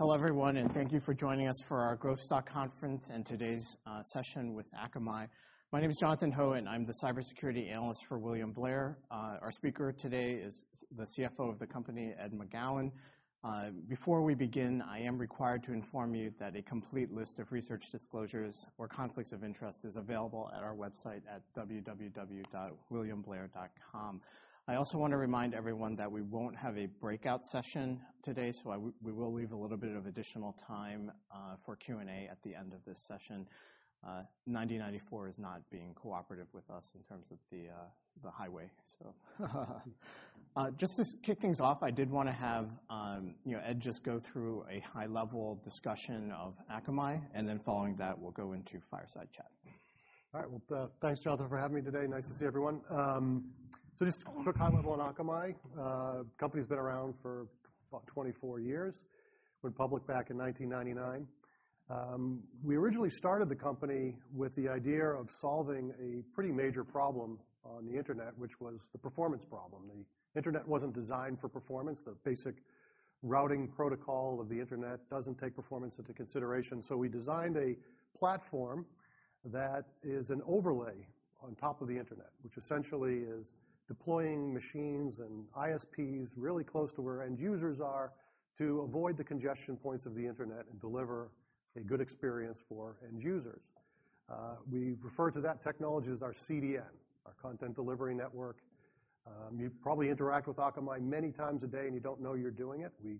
Hello, everyone, and thank you for joining us for our Growth Stock Conference and today's session with Akamai. My name is Jonathan Ho and I'm the cybersecurity analyst for William Blair. Our speaker today is the CFO of the company, Ed McGowan. Before we begin, I am required to inform you that a complete list of research disclosures or conflicts of interest is available at our website at www.williamblair.com. I also want to remind everyone that we won't have a breakout session today, so we will leave a little bit of additional time for Q&A at the end of this session. 9094 is not being cooperative with us in terms of the highway, so just to kick things off, I did want to have, you know, Ed just go through a high-level discussion of Akamai, and then following that, we'll go into fireside chat. All right. Thanks, Jonathan, for having me today. Nice to see everyone. Just a quick high-level on Akamai. The company's been around for about 24 years. Went public back in 1999. We originally started the company with the idea of solving a pretty major problem on the internet, which was the performance problem. The internet wasn't designed for performance. The basic routing protocol of the internet doesn't take performance into consideration. We designed a platform that is an overlay on top of the internet, which essentially is deploying machines and ISPs really close to where end users are to avoid the congestion points of the internet and deliver a good experience for end users. We refer to that technology as our CDN, our Content Delivery Network. You probably interact with Akamai many times a day and you don't know you're doing it. We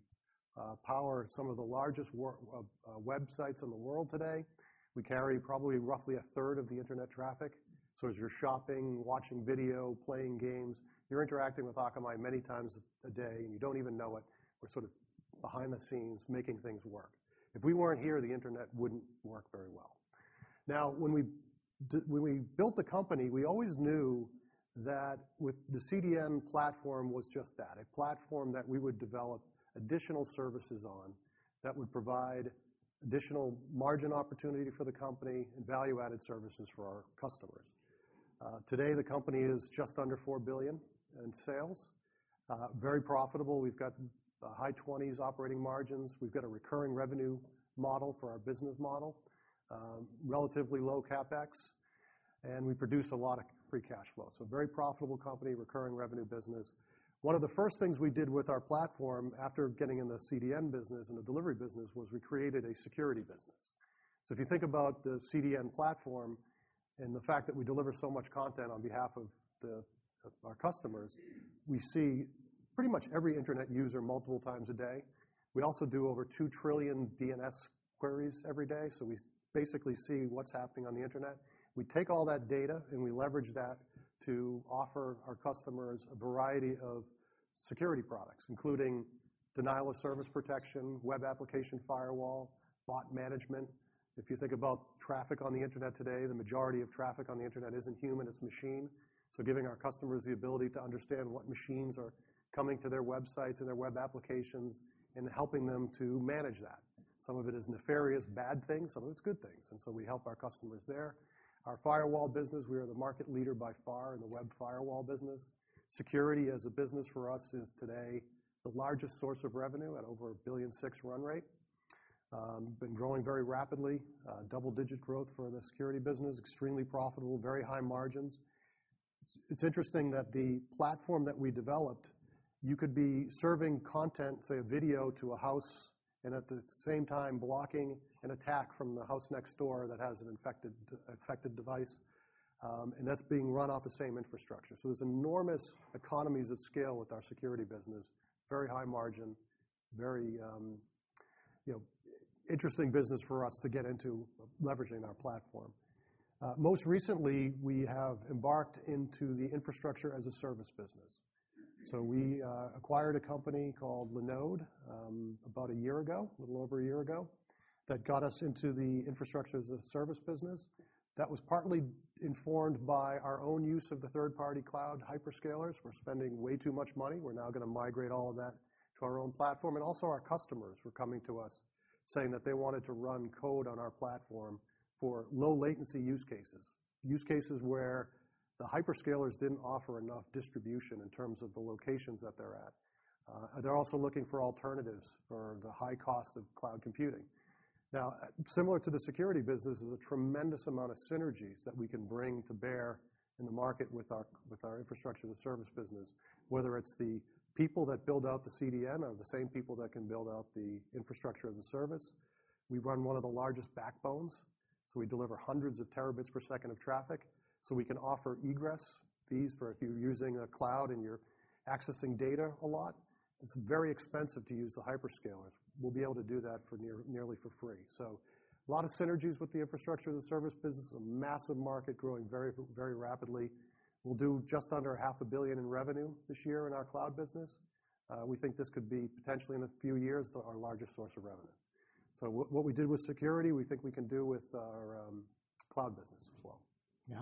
power some of the largest websites in the world today. We carry probably roughly a third of the internet traffic. As you're shopping, watching video, playing games, you're interacting with Akamai many times a day, and you don't even know it. We're sort of behind the scenes making things work. If we weren't here, the internet wouldn't work very well. Now, when we built the company, we always knew that the CDN platform was just that, a platform that we would develop additional services on that would provide additional margin opportunity for the company and value-added services for our customers. Today, the company is just under $4 billion in sales, very profitable. We've got the high 20s operating margins. We've got a recurring revenue model for our business model, relatively low CapEx, and we produce a lot of free cash flow. Very profitable company, recurring revenue business. One of the first things we did with our platform after getting in the CDN business and the delivery business was we created a security business. If you think about the CDN platform and the fact that we deliver so much content on behalf of our customers, we see pretty much every internet user multiple times a day. We also do over 2 trillion DNS queries every day, so we basically see what's happening on the internet. We take all that data and we leverage that to offer our customers a variety of security products, including denial of service protection, web application firewall, bot management. If you think about traffic on the internet today, the majority of traffic on the internet isn't human; it's machine. Giving our customers the ability to understand what machines are coming to their websites and their web applications and helping them to manage that. Some of it is nefarious, bad things; some of it's good things. We help our customers there. Our firewall business, we are the market leader by far in the web firewall business. Security as a business for us is today the largest source of revenue at over $1.6 billion run rate. Been growing very rapidly, double-digit growth for the security business, extremely profitable, very high margins. It's interesting that the platform that we developed, you could be serving content, say a video, to a house and at the same time blocking an attack from the house next door that has an infected, infected device. That's being run off the same infrastructure. There are enormous economies of scale with our security business, very high margin, very, you know, interesting business for us to get into leveraging our platform. Most recently, we have embarked into the infrastructure as a service business. We acquired a company called Linode about a year ago, a little over a year ago, that got us into the infrastructure as a service business. That was partly informed by our own use of the third-party cloud hyperscalers. We were spending way too much money. We are now gonna migrate all of that to our own platform. Also, our customers were coming to us saying that they wanted to run code on our platform for low-latency use cases, use cases where the hyperscalers did not offer enough distribution in terms of the locations that they are at. They are also looking for alternatives for the high cost of cloud computing. Now, similar to the security business, there's a tremendous amount of synergies that we can bring to bear in the market with our infrastructure as a service business, whether it's the people that build out the CDN or the same people that can build out the infrastructure as a service. We run one of the largest backbones, so we deliver 100s of Tb per second of traffic. We can offer egress fees for if you're using a cloud and you're accessing data a lot. It's very expensive to use the hyperscalers. We'll be able to do that for nearly, nearly for free. A lot of synergies with the infrastructure as a service business, a massive market growing very, very rapidly. We'll do just under $0.5 billion in revenue this year in our cloud business. We think this could be potentially in a few years our largest source of revenue. What we did with security, we think we can do with our cloud business as well. Yeah.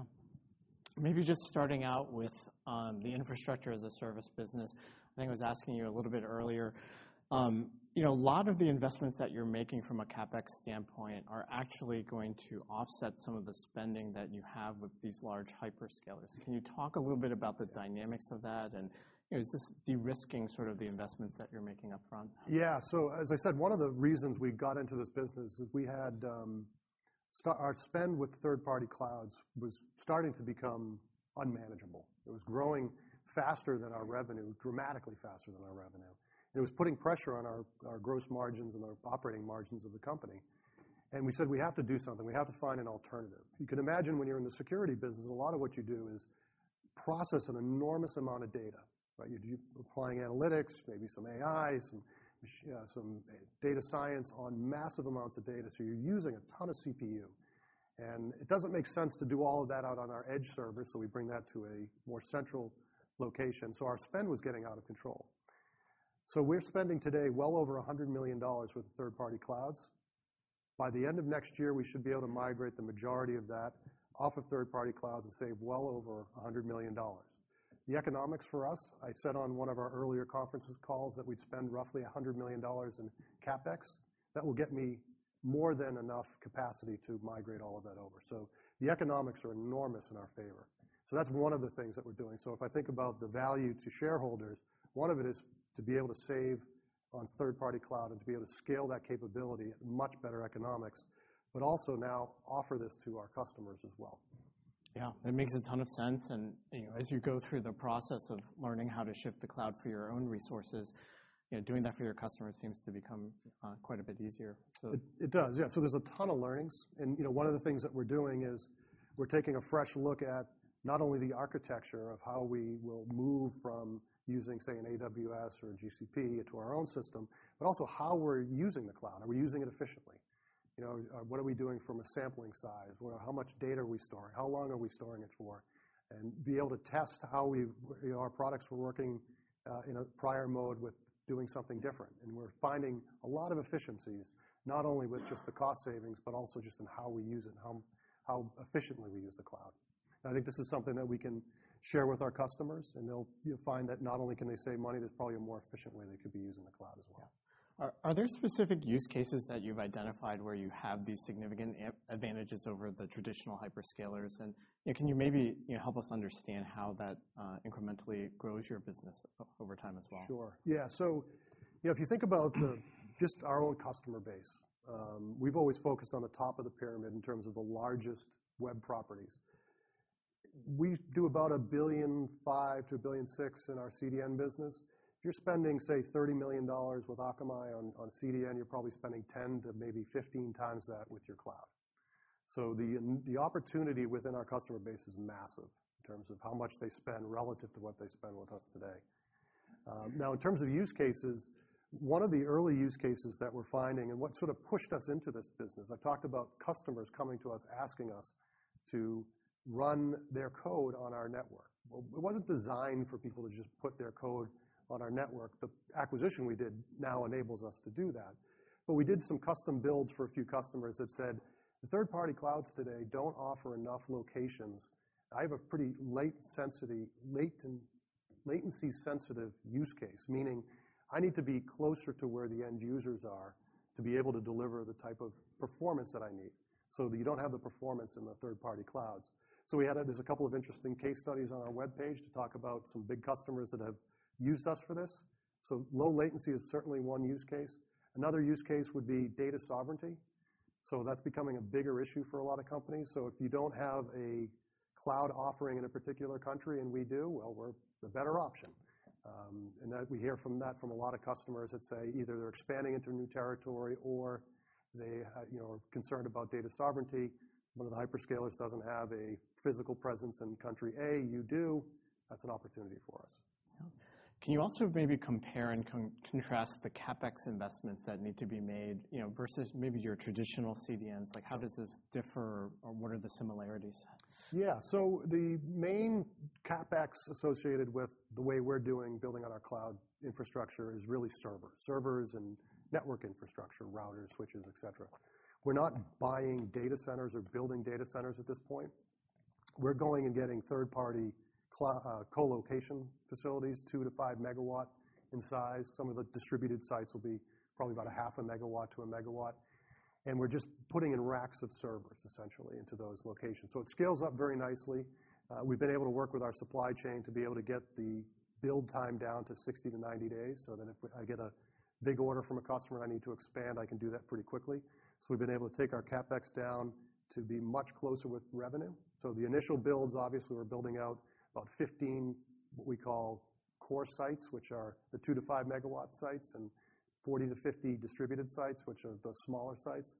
Maybe just starting out with, the infrastructure as a service business, I think I was asking you a little bit earlier, you know, a lot of the investments that you're making from a CapEx standpoint are actually going to offset some of the spending that you have with these large hyperscalers. Can you talk a little bit about the dynamics of that and, you know, is this de-risking sort of the investments that you're making upfront? Yeah. As I said, one of the reasons we got into this business is we had, our spend with third-party clouds was starting to become unmanageable. It was growing faster than our revenue, dramatically faster than our revenue. It was putting pressure on our gross margins and our operating margins of the company. We said, "We have to do something. We have to find an alternative." You can imagine when you're in the security business, a lot of what you do is process an enormous amount of data, right? You're applying analytics, maybe some AI, some machine, some data science on massive amounts of data. You're using a ton of CPU. It doesn't make sense to do all of that out on our edge servers, so we bring that to a more central location. Our spend was getting out of control. We're spending today well over $100 million with third-party clouds. By the end of next year, we should be able to migrate the majority of that off of third-party clouds and save well over $100 million. The economics for us, I said on one of our earlier conference calls that we'd spend roughly $100 million in CapEx. That will get me more than enough capacity to migrate all of that over. The economics are enormous in our favor. That's one of the things that we're doing. If I think about the value to shareholders, one of it is to be able to save on third-party cloud and to be able to scale that capability at much better economics, but also now offer this to our customers as well. Yeah. It makes a ton of sense. And, you know, as you go through the process of learning how to shift the cloud for your own resources, you know, doing that for your customers seems to become quite a bit easier, so. It does. Yeah. So there's a ton of learnings. And, you know, one of the things that we're doing is we're taking a fresh look at not only the architecture of how we will move from using, say, an AWS or a GCP to our own system, but also how we're using the cloud. Are we using it efficiently? You know, what are we doing from a sampling size? How much data are we storing? How long are we storing it for? And be able to test how we, you know, our products were working, in a prior mode with doing something different. And we're finding a lot of efficiencies, not only with just the cost savings, but also just in how we use it and how efficiently we use the cloud. I think this is something that we can share with our customers, and you'll find that not only can they save money, there's probably a more efficient way they could be using the cloud as well. Yeah. Are there specific use cases that you've identified where you have these significant advantages over the traditional hyperscalers? You know, can you maybe, you know, help us understand how that incrementally grows your business over time as well? Sure. Yeah. So, you know, if you think about just our own customer base, we've always focused on the top of the pyramid in terms of the largest web properties. We do about $1.5 billion-$1.6 billion in our CDN business. If you're spending, say, $30 million with Akamai on CDN, you're probably spending 10x-15x times that with your cloud. The opportunity within our customer base is massive in terms of how much they spend relative to what they spend with us today. Now, in terms of use cases, one of the early use cases that we're finding and what sort of pushed us into this business, I talked about customers coming to us asking us to run their code on our network. It was not designed for people to just put their code on our network. The acquisition we did now enables us to do that. We did some custom builds for a few customers that said, "The third-party clouds today do not offer enough locations. I have a pretty latency-sensitive use case," meaning I need to be closer to where the end users are to be able to deliver the type of performance that I need. You do not have the performance in the third-party clouds. There are a couple of interesting case studies on our web page that talk about some big customers that have used us for this. Low latency is certainly one use case. Another use case would be data sovereignty. That is becoming a bigger issue for a lot of companies. If you do not have a cloud offering in a particular country and we do, we are the better option. and that we hear from that from a lot of customers that say either they're expanding into new territory or they, you know, are concerned about data sovereignty. One of the hyperscalers doesn't have a physical presence in country A; you do. That's an opportunity for us. Yeah. Can you also maybe compare and contrast the CapEx investments that need to be made, you know, versus maybe your traditional CDNs? Like, how does this differ or what are the similarities? Yeah. The main CapEx associated with the way we're doing building on our cloud infrastructure is really servers, servers and network infrastructure, routers, switches, etc. We're not buying data centers or building data centers at this point. We're going and getting third-party co-location facilities, 2-5 MW in size. Some of the distributed sites will be probably about a half a Megawatt to a Megawatt. We're just putting in racks of servers, essentially, into those locations. It scales up very nicely. We've been able to work with our supply chain to be able to get the build time down to 60-90 days so that if I get a big order from a customer and I need to expand, I can do that pretty quickly. We've been able to take our CapEx down to be much closer with revenue. The initial builds, obviously, we're building out about 15 what we call core sites, which are the 2-5 MW sites, and 40-50 distributed sites, which are the smaller sites.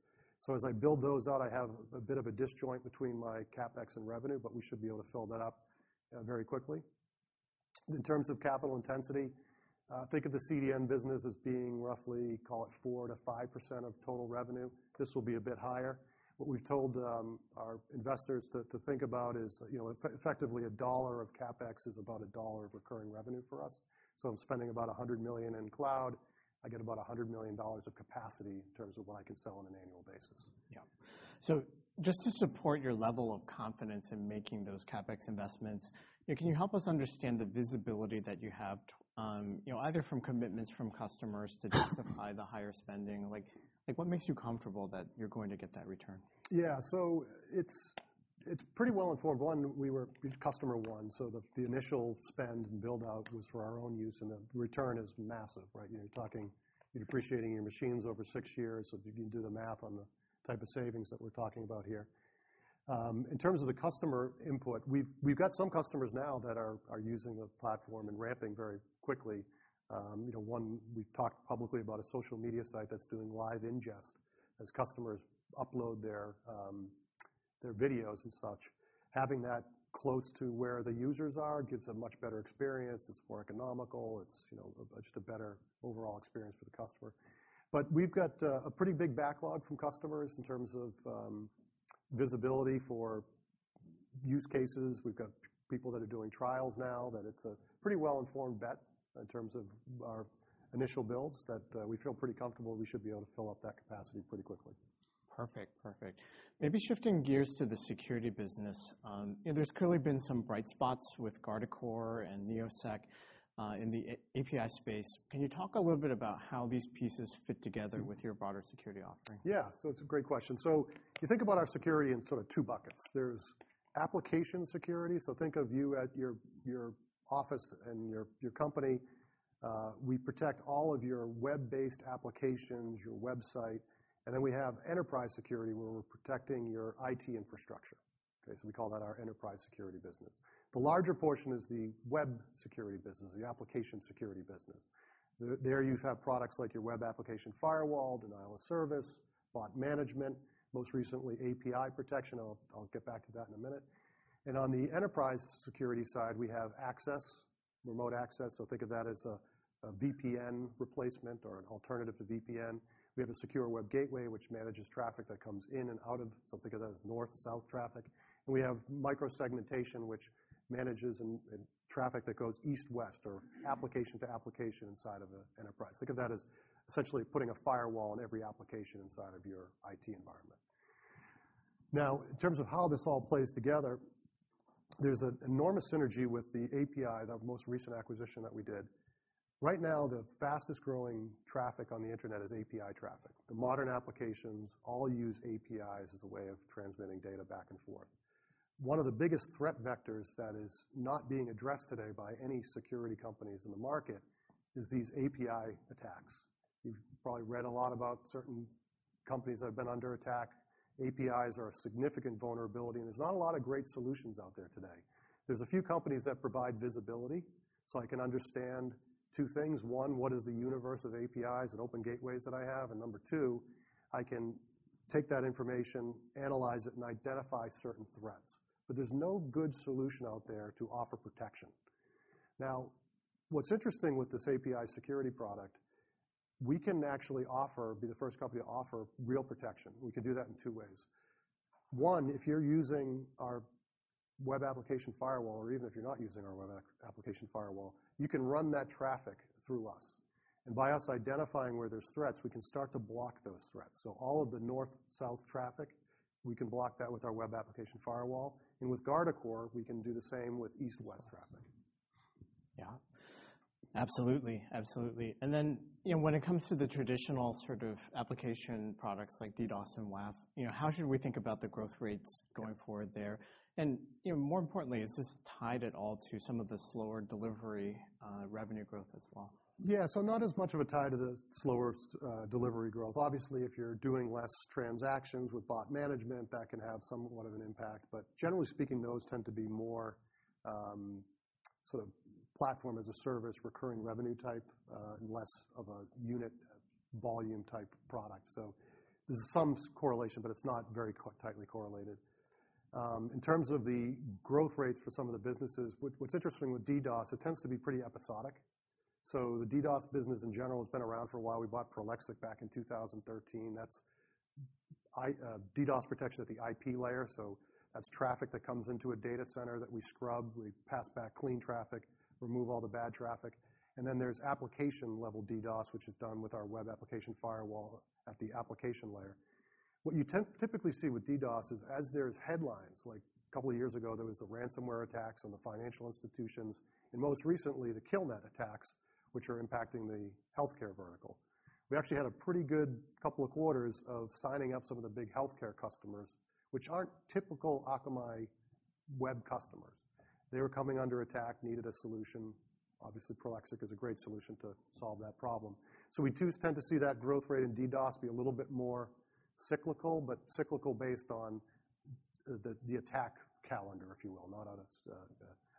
As I build those out, I have a bit of a disjoint between my CapEx and revenue, but we should be able to fill that up very quickly. In terms of capital intensity, think of the CDN business as being roughly, call it 4-5% of total revenue. This will be a bit higher. What we've told our investors to think about is, you know, effectively a dollar of CapEx is about a dollar of recurring revenue for us. I'm spending about $100 million in cloud. I get about $100 million of capacity in terms of what I can sell on an annual basis. Yeah. Just to support your level of confidence in making those CapEx investments, you know, can you help us understand the visibility that you have, you know, either from commitments from customers to justify the higher spending? Like, like, what makes you comfortable that you're going to get that return? Yeah. So it's pretty well informed. One, we were customer one, so the initial spend and build-out was for our own use, and the return is massive, right? You're talking you're depreciating your machines over six years, so you can do the math on the type of savings that we're talking about here. In terms of the customer input, we've got some customers now that are using the platform and ramping very quickly. You know, one, we've talked publicly about a social media site that's doing live ingest as customers upload their videos and such. Having that close to where the users are gives a much better experience. It's more economical. It's, you know, just a better overall experience for the customer. We've got a pretty big backlog from customers in terms of visibility for use cases. We've got people that are doing trials now that it's a pretty well-informed bet in terms of our initial builds that, we feel pretty comfortable we should be able to fill up that capacity pretty quickly. Perfect. Perfect. Maybe shifting gears to the security business. You know, there's clearly been some bright spots with Guardicore and Neosec, in the API space. Can you talk a little bit about how these pieces fit together with your broader security offering? Yeah. It's a great question. You think about our security in sort of two buckets. There's application security. Think of you at your office and your company. We protect all of your web-based applications, your website. Then we have enterprise security where we're protecting your IT infrastructure. We call that our enterprise security business. The larger portion is the web security business, the application security business. There you have products like your web application firewall, denial of service, bot management, most recently API protection. I'll get back to that in a minute. On the enterprise security side, we have access, remote access. Think of that as a VPN replacement or an alternative to VPN. We have a secure web gateway which manages traffic that comes in and out of. Think of that as north-south traffic. We have micro-segmentation which manages and traffic that goes east-west or application to application inside of an enterprise. Think of that as essentially putting a firewall on every application inside of your IT environment. Now, in terms of how this all plays together, there is an enormous synergy with the API, the most recent acquisition that we did. Right now, the fastest growing traffic on the internet is API traffic. The modern applications all use APIs as a way of transmitting data back and forth. One of the biggest threat vectors that is not being addressed today by any security companies in the market is these API attacks. You have probably read a lot about certain companies that have been under attack. APIs are a significant vulnerability, and there is not a lot of great solutions out there today. There's a few companies that provide visibility, so I can understand two things. One, what is the universe of APIs and open gateways that I have? Number two, I can take that information, analyze it, and identify certain threats. There's no good solution out there to offer protection. Now, what's interesting with this API security product, we can actually offer, be the first company to offer real protection. We can do that in two ways. One, if you're using our web application firewall, or even if you're not using our web application firewall, you can run that traffic through us. By us identifying where there's threats, we can start to block those threats. All of the north-south traffic, we can block that with our web application firewall. With Guardicore, we can do the same with east-west traffic. Yeah. Absolutely. Absolutely. You know, when it comes to the traditional sort of application products like DDoS and WAF, you know, how should we think about the growth rates going forward there? You know, more importantly, is this tied at all to some of the slower delivery, revenue growth as well? Yeah. Not as much of a tie to the slower delivery growth. Obviously, if you're doing less transactions with bot management, that can have somewhat of an impact. Generally speaking, those tend to be more, sort of platform-as-a-service recurring revenue type, and less of a unit volume type product. There's some correlation, but it's not very tightly correlated. In terms of the growth rates for some of the businesses, what's interesting with DDoS, it tends to be pretty episodic. The DDoS business in general has been around for a while. We bought Prolexic back in 2013. That's DDoS protection at the IP layer. That's traffic that comes into a data center that we scrub. We pass back clean traffic, remove all the bad traffic. Then there's application-level DDoS, which is done with our web application firewall at the application layer. What you typically see with DDoS is, as there's headlines, like a couple of years ago, there was the ransomware attacks on the financial institutions and most recently the Killnet attacks, which are impacting the healthcare vertical. We actually had a pretty good couple of quarters of signing up some of the big healthcare customers, which aren't typical Akamai web customers. They were coming under attack, needed a solution. Obviously, Prolexic is a great solution to solve that problem. We do tend to see that growth rate in DDoS be a little bit more cyclical, but cyclical based on the attack calendar, if you will, not on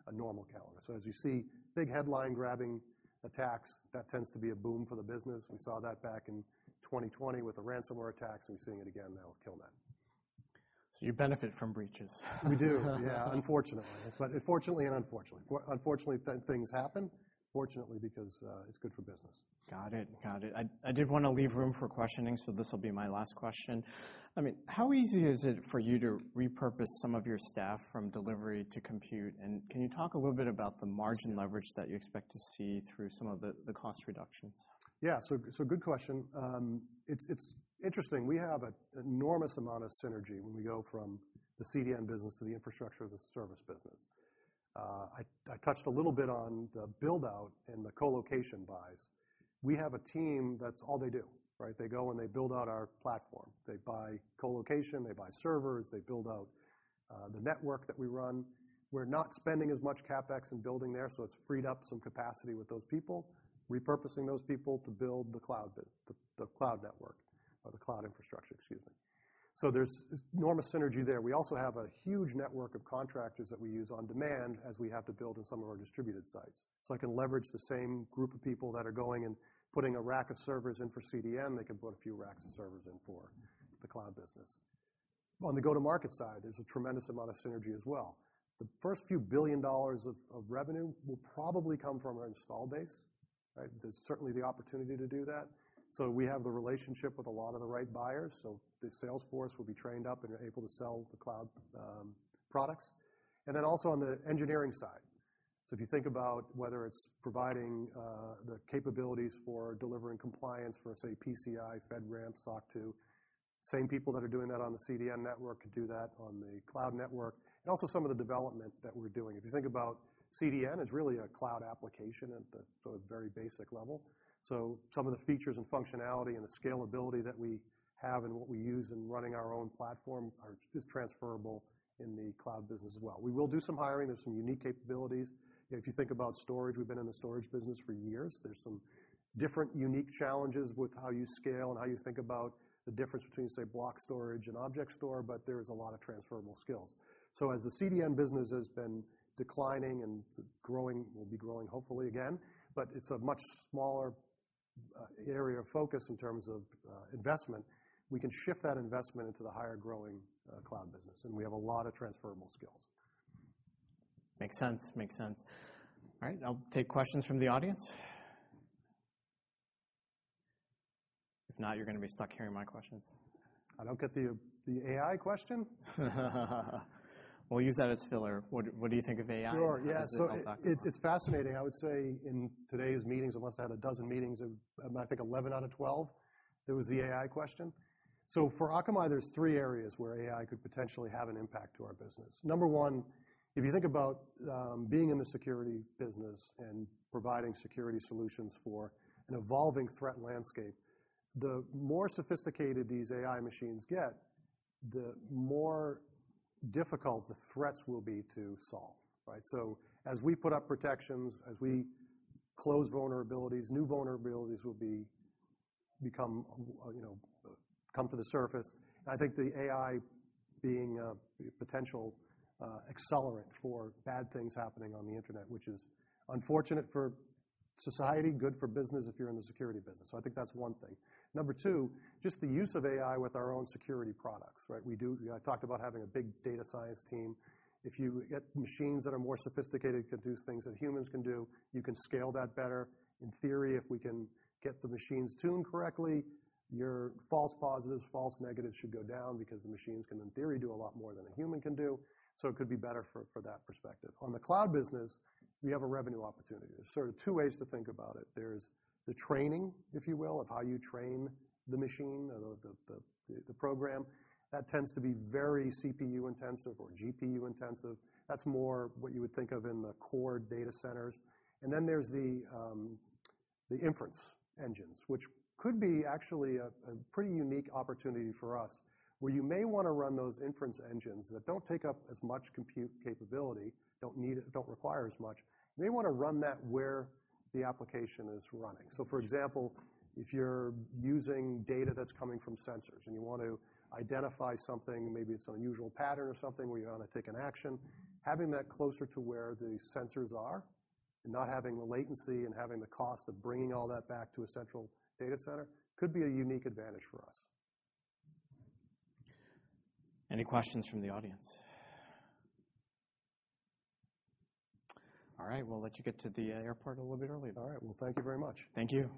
a normal calendar. As you see big headline-grabbing attacks, that tends to be a boom for the business. We saw that back in 2020 with the ransomware attacks, and we're seeing it again now with Killnet. You benefit from breaches. We do. Yeah. Unfortunately. But fortunately and unfortunately. Fortunately, things happen. Fortunately, because, it's good for business. Got it. Got it. I did wanna leave room for questioning, so this'll be my last question. I mean, how easy is it for you to repurpose some of your staff from delivery to compute? And can you talk a little bit about the margin leverage that you expect to see through some of the cost reductions? Yeah. Good question. It's interesting. We have an enormous amount of synergy when we go from the CDN business to the infrastructure-as-a-service business. I touched a little bit on the build-out and the co-location buys. We have a team that's all they do, right? They go and they build out our platform. They buy co-location, they buy servers, they build out the network that we run. We're not spending as much CapEx in building there, so it's freed up some capacity with those people, repurposing those people to build the cloud, the cloud network or the cloud infrastructure, excuse me. There is enormous synergy there. We also have a huge network of contractors that we use on demand as we have to build in some of our distributed sites. I can leverage the same group of people that are going and putting a rack of servers in for CDN. They can put a few racks of servers in for the cloud business. On the go-to-market side, there's a tremendous amount of synergy as well. The first few billion dollars of revenue will probably come from our install base, right? There's certainly the opportunity to do that. We have the relationship with a lot of the right buyers. The sales force will be trained up and able to sell the cloud products. Also on the engineering side, if you think about whether it's providing the capabilities for delivering compliance for, say, PCI, FedRAMP, SOC 2, the same people that are doing that on the CDN network could do that on the cloud network. Also some of the development that we're doing. If you think about CDN, it's really a cloud application at the sort of very basic level. Some of the features and functionality and the scalability that we have and what we use in running our own platform are transferable in the cloud business as well. We will do some hiring. There's some unique capabilities. If you think about storage, we've been in the storage business for years. There's some different unique challenges with how you scale and how you think about the difference between, say, block storage and object store, but there is a lot of transferable skills. As the CDN business has been declining and growing, will be growing hopefully again, but it's a much smaller area of focus in terms of investment, we can shift that investment into the higher-growing cloud business. We have a lot of transferable skills. Makes sense. Makes sense. All right. I'll take questions from the audience. If not, you're gonna be stuck hearing my questions. I don't get the AI question. We'll use that as filler. What do you think of AI? Sure. Yeah. It's fascinating. I would say in today's meetings, I must have had a dozen meetings. I think 11 out of 12, there was the AI question. For Akamai, there are three areas where AI could potentially have an impact to our business. Number one, if you think about being in the security business and providing security solutions for an evolving threat landscape, the more sophisticated these AI machines get, the more difficult the threats will be to solve, right? As we put up protections, as we close vulnerabilities, new vulnerabilities will become, you know, come to the surface. I think the AI being a potential accelerant for bad things happening on the internet, which is unfortunate for society, good for business if you're in the security business. I think that's one thing. Number two, just the use of AI with our own security products, right? We do, I talked about having a big data science team. If you get machines that are more sophisticated, can do things that humans can do, you can scale that better. In theory, if we can get the machines tuned correctly, your false positives, false negatives should go down because the machines can, in theory, do a lot more than a human can do. It could be better for, for that perspective. On the cloud business, we have a revenue opportunity. There's sort of two ways to think about it. There's the training, if you will, of how you train the machine or the, the, the program. That tends to be very CPU intensive or GPU intensive. That's more what you would think of in the core data centers. There are the inference engines, which could be actually a pretty unique opportunity for us where you may wanna run those inference engines that do not take up as much compute capability, do not need it, do not require as much. You may wanna run that where the application is running. For example, if you are using data that is coming from sensors and you want to identify something, maybe it is an unusual pattern or something where you want to take an action, having that closer to where the sensors are and not having the latency and having the cost of bringing all that back to a central data center could be a unique advantage for us. Any questions from the audience? All right. We'll let you get to the airport a little bit early. All right. Thank you very much. Thank you.